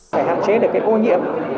phải hạn chế được ô nhiễm